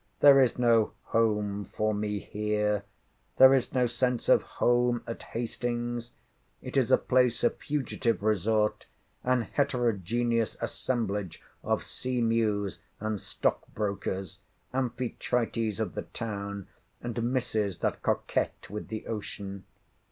There is no home for me here. There is no sense of home at Hastings. It is a place of fugitive resort, an heterogeneous assemblage of sea mews and stock brokers, Amphitrites of the town, and misses that coquet with the Ocean.